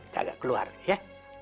kagak keluar ya